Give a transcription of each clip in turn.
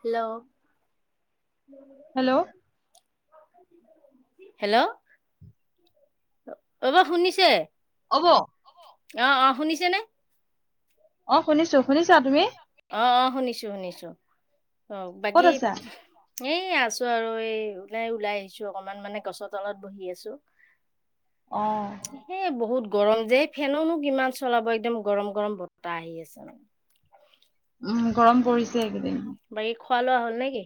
Hello. Hello. Hello এই বও শুনিছে। অব অ', অ', শুনিছে নে। অ শুনিছো শুনিছা তুমি অ', অ', শুনিছো শুনিছো অ', ক'ত বাকী আছা এই আছো আৰু এই ওলাই ওলাই আহিছো অকমান মানে গছৰ তলত বহি আছো। অ সেই বহুত গৰম যে ফেননো কিমান চলাব একদম গৰম গৰম বতাহ আহি আছে। মানে। উম গৰম উম পৰিছে এইকেইদিন। বাকী খোৱা লোৱা হ'ল নেকি।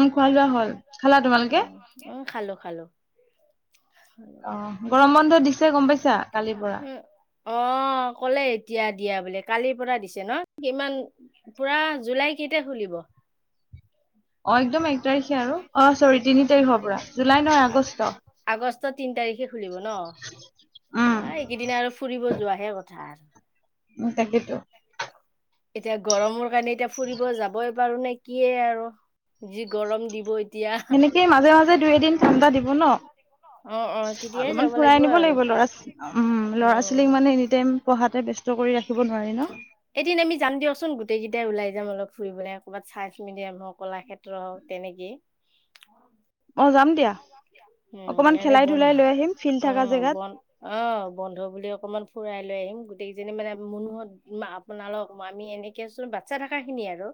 অ', খোৱা লোৱা হ'ল। খালা তোমালোকে উম', খালো খালো। অ', গৰম বন্ধ দিছে গম পাইছা কালিৰ পৰা। উম। অ'। অ', কলে এতিয়া দিয়া বুলি কালিৰ পৰা দিছে ন' ইমান পুৰা জুলাই কেইটা খুলিব। অ'। অ' একদম এক তাৰিখে আৰু অ চৰি তিনি তাৰিখৰ পৰা জুলাই নহয় আগষ্ট। পাঁচটা তিন তাৰিখে খুলিব ন' উম বা এইকেইদিন আৰু ফুৰিব যোৱাহে কথা আৰু। তাকেইেতো। এতিয়া গৰমৰ কাৰণে এতিয়া ফুৰিব যাবই পাৰো নে কিয়ে আৰু যি গৰম দিব এ সেনেকেই মাজে মাজে দুই এদিন ঠাণ্ডা দিব ন'। অ', অ'। তেতিয়াই অলপমান যাব ফুৰাই নিব আৰু লাগিব ল'ৰা উম ল'ৰা ছোৱালীক উম মানে এনি টাইম পঢ়াতে ব ব্যস্ত ষ্ট কৰি ৰাখিব নোৱাৰি ন'। এদিন আমি যাম দিয়কচোন গোটেই কেইটাই ওলাই যাম অলপ ফুৰিবলে ক'ৰবাত চাইন্স মিডিয়াম হওক কলাক্ষেত্ৰ হওক। তেনেকেই। অ' যাম দিয়া অকমান খেলাই ধুলাই লৈ আহিম। ফিল্ড অ থকা জেগাত বন্ অ বন্ধ বুলি অকমান ফুৰাই লৈ আহিম। গোটেই যেনে মানে মুনুহত আপোনাল মামি এনেকেচোন বাচ্ছা থকা খিনি আৰু।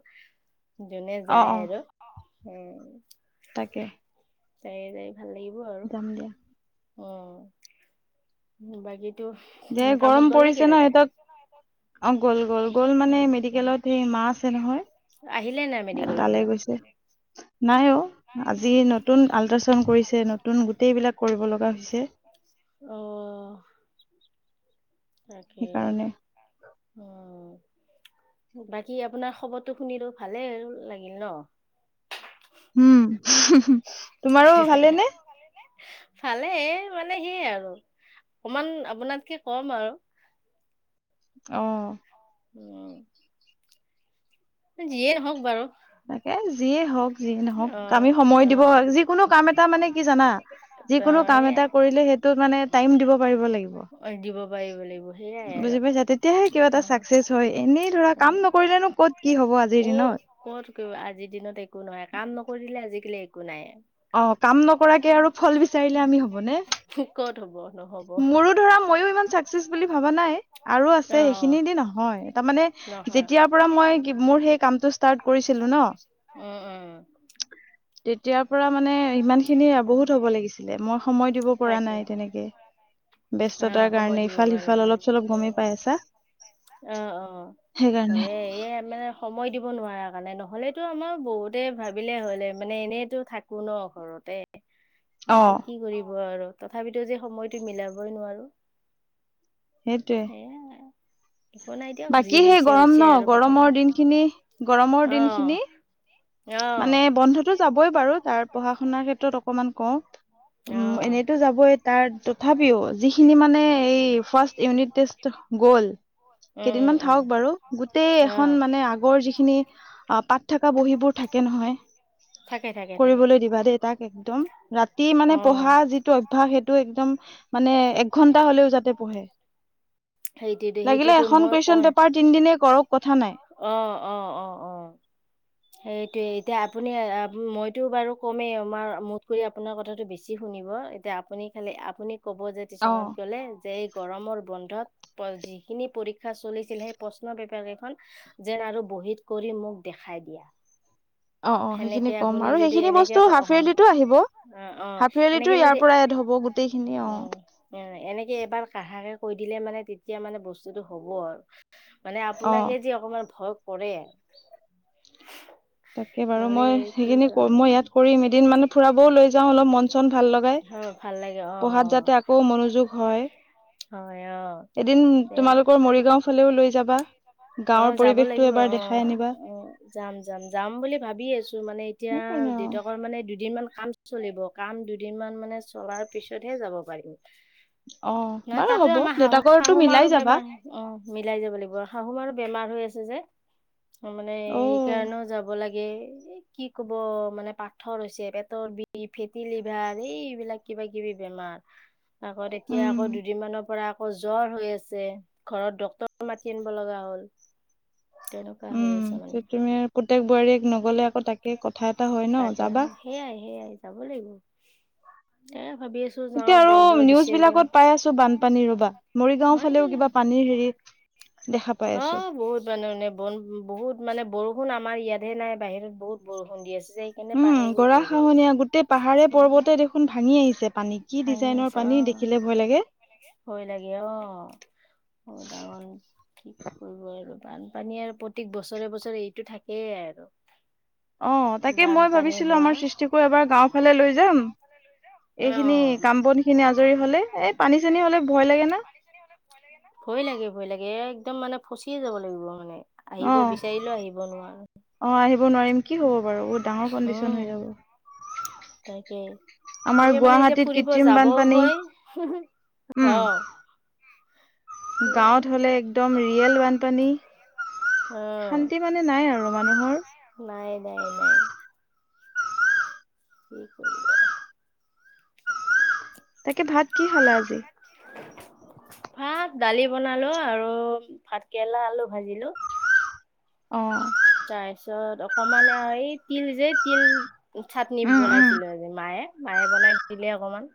যোনে অ যায় অ আৰু উম। তাকে ভাল লাগিব আৰু যাম দিয়া উম বাকী যে গৰম পৰিছে ন সিহঁতক অ গ'ল গ'ল গ'ল মানে উম মেডিকেলত সেই মা আছে নহয়। আহিলে নাই মেডিকেলৰ তালৈ পৰা? গৈছে নাই অ আজি নতুন আল্ট্ৰাচাউণ্ড কৰিছে নতুন গোটেইবিলাক কৰিব লগা হৈছে। অ। তাকেই সেইকাৰণে অ। বাকী আপোনাৰ খবৰটো শুনিলো ভালেই লাগিল ন। উম তোমাৰো ভালে নে? ভালে মানে সেয় আৰু অকমান আপোনাতকে কম আৰু। অহ। উম। এ যিয়ে নহওঁক বাৰু। তাকে যিয়ে হওক যিয়ে নহওক অ আমি সময় অ দিব যিকোনো কাম এটা মানে কি জানা ত যিকোনো কাম সেইয়াই এটা কৰিলে সেইটোত মানে টাইম দিব পাৰিব লাগিব। অ দিব পাৰিব লাগিব সেইয়াই বুজ আৰু পাইছা তেতিয়াহে কিবা এটা উম চাকচেচ হয় এনেই ধৰা উম কাম নকৰিলেনো ক'ত কি হ'ব ক আজিৰ দিনত। ক'ত আজিৰ দিনত একো নহয় কাম নকৰিলে আজিকালি একো নাই। অ কাম নকৰাকে আৰু ফল বিচাৰিলে উম আমি হ'বনে। ক'ত হ'ব নহ'ব অ' মোৰো ধৰা মইও ইমান চাকচেচ বুলি ভবা নাই আৰু আছে সেইখিনি দি নহয় তাৰমানে নহয়। যেতিয়াৰ পৰা তেতিয়াৰ মই পৰা মোৰ সেই কি কামটো ষ্টাৰ্ট কৰিছিলো ন উম, উম, তেতিয়াৰ পৰা মানে ইমান খিনি বহুত হব লাগিছিলে মই সময় দিব পৰা তাকে অ' নাই সময় দিব তেনেকে। পৰা নাই অ'। উম। ব্যস্ততাৰ কাৰণে ইফাল সিফাল অলপ চলপ গমেই পাই আছা। অ অ সেইকাৰণে হয় এ মানে সময় দিব নোৱাৰা কাৰণে নহ'লেতো আমাৰ বহুতে ভাবিলে হ'লে মানে এনেইতো থাক কোন ঘৰতে অ কিন্তু কি কৰিব আৰু। তথাপিতো যে সময়টো মিলাবই নোৱাৰো সেইটোৱে সেইয়াই। বাকী সেই গৰম ন আৰু প্ৰথম গৰমৰ দিন খিনি গৰমৰ অ', দিনখিনি মানে অ', বন্ধতো যাবই বাৰু তাৰ পঢ়া শুনাৰ ক্ষেত্ৰত অকমান কওঁ। উম অ', এনেইতো যাবই তাৰ তথাপিও যিখিনি মানে এই ফাৰ্ষ্ট ইউনিট টেষ্ট গ'ল। উম, কেইদিনমান উম, থাকক উম, বাৰু গোটেই এখন অ'। মানে আগৰ যিখিনি অ পাত থকা বহীবোৰ থাকে নহয়। থাকে থাকে। থাকে। কৰিবলৈ দিবা দেই তাক একদম ৰাতি অ'। মানে পঢ়া যিটো অভ্যাস সেইটো একদম মানে এক ঘণ্টা হ'লেও যাতে পঢ়ে। সেইটটো সেই লাগিলে এখন কুৱেশ্যন পেপাৰ তিনিদিনে কৰক কথা নাই অ অ অ অ সেই। এতিয়া আপুনি মইতো বাৰু কমেই আমাৰ মোত কৰি আপোনাৰ কথাটো বেছি শুনিব এতিয়া। আপুনি খালি আপুনি ক'ব যে অ টিচনত গ'লে যে এই গৰমৰ বন্ধত যি খিনি পৰীক্ষা চলিছিল সেই প্ৰশ্ন পেপাৰ কেইখন যেন আৰু বহীত কৰি মোক দেখাই দিয়া। অ অ সেনেকে সেইখিনি কম আপুনি আৰু যদি সেইখিনি এনেকে বস্তু হাফেলিতো আহিব। অ অ হাফ ইয়াৰলিতো এনেকে ইয়াৰ যদি পৰা এড হ'ব গোটেইখিনি অ এনেকে এবাৰ কহাকে কৈ দিলে মানে তেতিয়া মানে বস্তুতটো হ'ব আৰু মানে অ আপোনাকে যি অকমান ভয় কৰে। তাকে বাৰু নহ'লে মই কি সেইখিনি কম মই ইয়াত কৰিম এদিন মানে ফুৰাবও লৈ যাওঁ অলপ মন চন ভাল লগাই। হয় ভাল লাগে অ পঢ়াত যাতে আকৌ মনোযোগ হয়। অ হয় অ এদিন দে তোমালোকৰ মৰিগাঁও ফালেও লৈ যাবা গাঁৱৰ অ' যাব পৰিৱেশটো লাগিব এবাৰ দেখাই অ', আনিবা অ' যাম, যাম, যাম। বুলি ভাবি আছো মানে এতিয়া সেইকাৰণে আৰু দেউতাক মানে দুদিন মান কাম চলিব। কাম দুদিন মান মানে চলাৰ পিছতহে যাব পাৰিম। অ নহ বাৰু তাতো হ'ব আমাৰ শাহু দেউতাকৰটো শাহু মাৰো মিলাই যাবা বেমাৰ অ' মিলাই শাহু মাৰও আৰু বেমাৰ হৈ আছে যে মানে অ সেই কাৰণেও যাব লাগি এ কি কব মানে পাথৰ হৈছে পেটৰ বিষ ফেটি লিভাৰ এইবিলাক কিবা কিবি বেমাৰ। আকৌ এতিয়া আকৌ উম দুদিনমানৰ পৰা আকৌ জ্বৰ হৈ আছে। ঘৰত ড ক্টৰক মাতি আনিব লগা হ'ল। তেনেকুৱা হৈ উম আছে মানে সেই তুমি পুতেক বোৱাৰীয়েক নগ'লে আকৌ তাকে ক তাকে সেইয়াই সেইয়াই যাব লাগিব। এ ভাবি আছো যাওঁ এতিয়া আৰু বন্ধ নিউজ দিছে যে বিলাকত পাই আছো বানপানী ৰবা। মৰিগাঁও হয় ফালেও কিবা পানীৰ হেৰিত অ' বহুত বানপানী বন বহুত মানে বৰষুণ আমাৰ ইয়াতহে নাই বাহিৰত বহুত বৰষুণ দি আছে। সেইকাৰণে উম পানীবোৰ গৰা হৈ গ'ল খাহনীয়া গোটেই পাহাৰে পৰ্বতে দেখোন ভাঙি আহিছে। পানী কি ভাঙি ডিজাইনৰ আছে পানী অ দেখিলে ভয় লাগে। ভয় লাগে অ' অ', ডাঙৰ ঠিক কৰিব আৰু বানপানী আৰু প্ৰতেক বছৰে বছৰে এইটো থাকেই [unintelligible] অ', তাকে মই বানপানী ভাবিছিলো হোৱা আমাৰ সৃষ্টিকো এবাৰ গাঁও ফালে লৈ যাম। অ এইখিনি কাম বনখিনি আজৰি হলে এই পানী চানী হলে ভয় লাগে না ভয় লাগে ভয় লাগে একদম মানে ফচিয়ে যাব লাগিব মানে। আহিব অ বিচাৰিলেও আহিব নোৱাৰা। অ', হিব নোৱাৰিম কি হ'ব বাৰু বহুত ডাঙৰ কণ্ডিশন উম হৈ যাব। তাকে! আমাৰ তাকে মানে এতিয়া গুৱাহাটীত ফুৰিব কৃত্ৰিম যাবও বানপানী ভয়। উম অ' গাঁৱত হলে একদম ৰিয়েল বানপানী। অ শান্তি মানে নাই আৰু- মানুহৰ। নাই, নাই, নাই। কি কৰিবা! তাকে ভাত কি খালা আজি? ভাত দালি বনালো আৰু ভাতকেৰেলা আলু ভাজিলো। অ'! তাৰপিছত অকমান আৰু এই তিল যে তিল চাটনি উম উম বনাইছিলো আজি। মায়ে মায়ে বনাই দিলে অকমান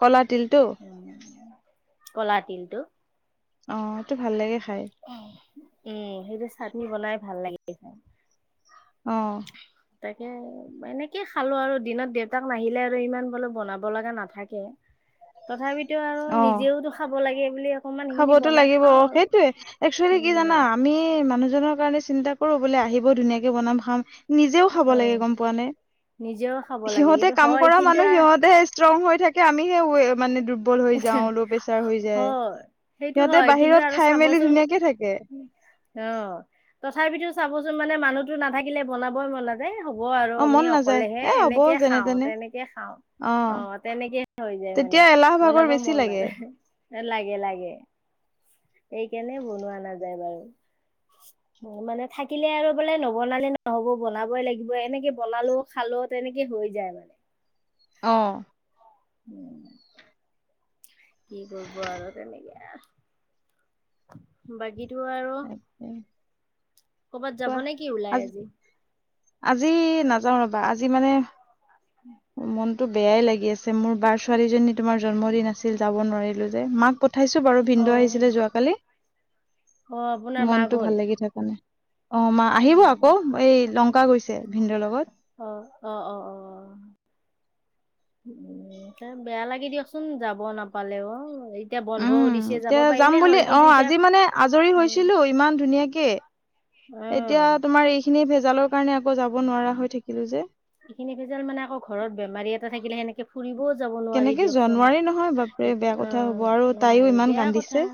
কলা তিলটো? উম কলা তিলটো! অ', এটো ভাল লাগে খাই উম, সেইটো চাটনি বনাই ভাল লাগে খায়। অ'। তাকে এনেকে খালো আৰু দিনত দেউতাক নাহিলে আৰু ইমান বোলো বনাব লগা নাথাকে। তথাপিতো আৰু অ নিজেওতো খাব লাগে বুলি অকমান সেইখিনি খাবতো বনাই লাগিব খাওঁ অ' আৰু সেইটোয়ে। একচুৱেলি কি জানা উম আমি মানুহজনৰ কাৰণে চিন্তা কৰো বোলে আহিব ধুনীয়াকে বনাম খাম। নিজেও খাব অ লাগে গম পোৱা নে? নিজেও খাব লাগে সিহঁতে কিন্তু কাম হয় কৰা কিন্তু মানুহ সিহঁতে ষ্ট্ৰং হৈ থাকে আমিহে মানে দুৰ্বল হৈ যাওঁ ল' প্ৰেছাৰ হৈ যায়। হয় সেইটো সিহঁতে হয় কিন্তু বাহিৰত আৰু খায় মেলি চাবচোন ধুনীয়াকে থাকে। অ', থাপিতো চাবচোন মানে মানুহতো নাথাকিলে বনাবই মন নাযায়। হব আৰু অ আমি মন নাযায় অকলেহে এ হ'ব এনেকে যেনে খাওঁ তেনে তেনেকে খাওঁ। অ তেনেকে হৈ যায় মানে তেতিয়া এলাহ ভাগৰ বনাব বেছি মন লাগে নাযায় লাগে লাগে এই কেণে বনোৱা নাযায় বাৰু মানে থাকিলে আৰু বোলে নবনালে নহব বনাবই লাগিব এনেকে বনালো খালো তেনেকে হৈ যায় মানে অ [inaudible] কি কৰিব আৰু তেনেকে আৰু বাকী [unintelligible] আৰু তাকে ক'ৰবাত কোৱা যাব নে কি ওলাই আজি আজি নাযাওঁ ৰ'বা আজি মানে মনতো বেয়াই লাগি আছে মোৰ বাৰ ছোৱালীজনী তোমাৰ জন্মদিন আছিল যাব নোৱাৰিলো যে মাক পঠাইছো বাৰু ভিন্দৌ অ', আহিছিলে যোৱাকালি অ', আপোনাৰ মা মনটো ভাল লাগি থকা নাই অ মা আহিব গ'ল আকৌ এই লংকা গৈছে ভিনদৰ লগত অ অ অ অ অ উম ত বেয়া লাগে দিয়কচোন যাব নাপালে অ উম এতিয়া যাম বুলি অ এতিয়া আজি মানে আজৰি উম হৈছিলো ইমান ধুনীয়াকে অ এতিয়া তোমাৰ এইখিনি ভেজালৰ কাৰণে আকৌ যাব নোৱাৰা হৈ থাকিলো যে এইখিনি ফুৰিব কেনেকে যোৱা নোৱাৰি নহয় বাপৰে বেয়া অ কথা হ'ব আৰু তাইও ইমান কান্দিছে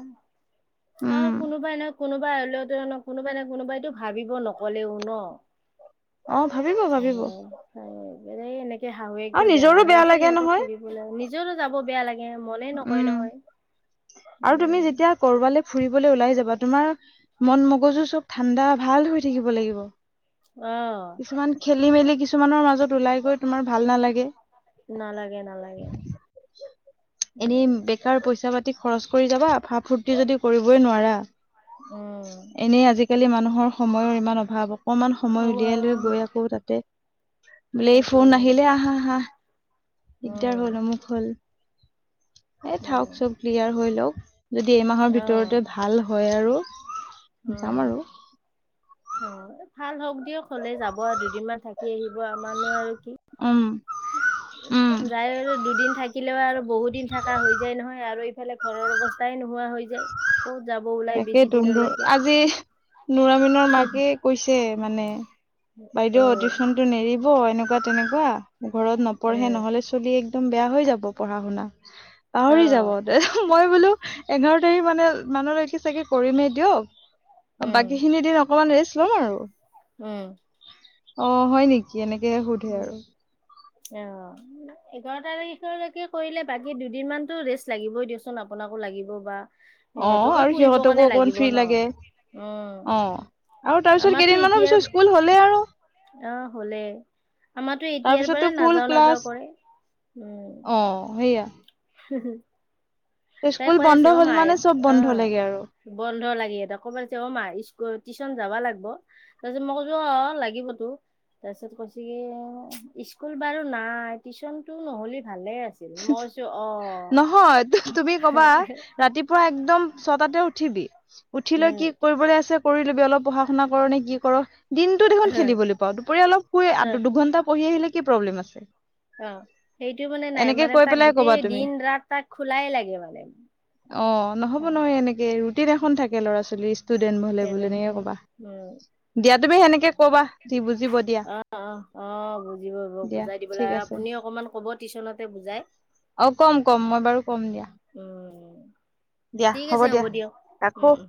অ উম কোনোবাই নহয় কোনোবাই হলেও কোনবাই ন কোনোবাইতো ভাবিব নকলেও ন অ ভাবিব ভাবিব এনেই [unintelligible] আৰু শাহুৱেকটো নিজৰো বেমাৰ হৈ বেয়া আছে লাগে ইহঁতে নহয় ফুৰিবলৈ নিজৰো যাব বেয়া লাগে মনে নকয় উম নহয় আৰু তুমি উম যেতিয়া কৰবালে ফুৰিবলৈ ওলাই যাবা তোমাৰ মন মগজু চব ঠাণ্ডা ভাল হৈ থাকিব লাগিব অ কিছুমান খেলি মেলি কিছুমানৰ মাজত ওলাই গৈ তোমাৰ ভাল নালাগে নালাগে নালাগে এনেই উম বেকাৰ পইচা পাতি খৰচ কৰি যাবা ফা ফূৰ্তি যদি কৰিবই নোৱাৰা উম এনেই আজিকালি মানুহৰ সময়ৰ ইমান অভাৱ অকমান সময় অৱা উলিয়াই লৈ গৈ আকৌ তাতে বোলে এই তাকে ফোন আহিলে আহা আহা দিগদাৰ উম হ'ল অমুক হ'ল এ থাওক সেয়াই চব ক্লিয়াৰ হৈ লওক যদি এইমাহৰ আহ ভিতৰতে ভাল হয় আৰু যাম আহ আৰু অ ভাল হওঁক দিয়ক হলে যাব আৰু দুদিনমান থাকি আহিব আমাৰনো আৰু উম উম যায় আৰু দুদিন থাকিলেও আৰু বহুত দিন থাকা হৈ যায় নহয় আৰু সিফালে ঘৰৰ অৱস্থাই নোহোৱা হৈ যায় ক'ত যাব ওলাই বেছি তাকেই তুম দিনলৈকে আজি নৰামিনৰ মাকে কৈছে মানে বাইদেউ উম টিউশ্যচনতটো নেৰিব এনেকুৱা তেনেকুৱা ঘৰত নপঢ়ে উম নহলে চলি এক একদম বেয়া হৈ যাব পঢ়া শুনা অ পাহৰি যাব তাপিছত মই বোলো এঘাৰ তাৰিখ মানে মানুলৈকে চাগে কৰিমেই দিয়ক উম বাকী খিনি দিন অকমান ৰেছ ল'ম আৰু উম অ হয় নেকি এনেকে সোধে আৰু অ এঘাৰ তাৰিখলৈকে কৰিলে বাকী দুদিন মানতটো ৰেষ্ট লাগিবই দিয়চোন আপুনাৰ আপোনাকো লাগিব বা অ সিহঁতকো আৰু ফুৰিবৰ সিহঁতকো কাৰণে অকমান লাগিব ফ্ৰী ন। লাগে উম, অ আৰু তাৰ পিছত আমাৰতো কেইদিনমানৰ এতিয়াৰ পিছত স্কুল হলেই আৰু অ হলে আমাটো এতিয়াৰ তাৰপিছতো পৰা ফুল নাযাও ক্লাছ নাযাও কৰে উম। অ সেয়া [unintelligible] তাই স্কুল কৈ বন্ধ আছে অ হল মাহ মানে চব অ বন্ধ লাগে আৰু বন্ধ লাগে তই ক'ব পছে অ মাই স্কুল টিছন যাবা লাগিব তাৰপিছত মই কৈছো অ লাগিবতো। তাৰপিছত কৈছেগে স্কুল বাৰু নাই টিউশচনতটো নহ'লে ভালে আছিল মইছো অ। নহয় তু- তুমি কবা ৰাতিপুৱা একদম ছটাতে উঠিবি উঠি লৈ কি কৰিবলৈ আছে। কৰি ল'বি অলপ পঢ়া শুনা কৰ ন কি কৰ। দিনটো দেখোন উম। খেলিবলৈ পাওঁ দুপৰীয়া ত অলপ শু দুঘণ্টা পঢ়ি আহিলে কি প্ৰব্লেম আছে। অ সেইটো মানে নাই এনেকে মানে কৈ তাক পেলাই কবা গোটেই তুমি দিন ৰাত তাক খোলাই লাগে মানে। অ নহব নহয় এনেকে ৰুটিন এখন থাকে ল'ৰা ছোৱালী ষ্টুডেন্ট হ'লে বোলে এনেকে তেনেহলে কবা উম দিয়া তুমি সেনেকে কবা। যি বুজিব দিয়া অ অ অ বুজিব দিয়া বুজাই দিব ঠিক লাগ আছে আপুনি অকনমান ক'ব টিউশচনতে। অ কম কম মই বাৰু কম দিয়া। উম দিয়া ঠিক হ'ব আছে দিয়া দিয়ক উম ৰাখো। উম